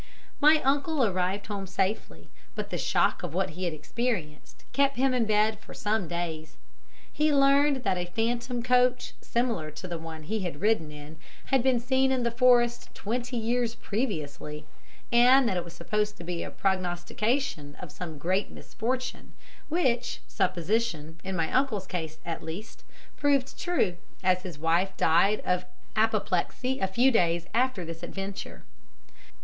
My uncle arrived home safely, but the shock of what he had experienced kept him in bed for some days. He learned that a phantom coach similar to the one he had ridden in had been seen in the forest twenty years previously, and that it was supposed to be a prognostication of some great misfortune, which supposition, in my uncle's case at least, proved true, as his wife died of apoplexy a few days after this adventure."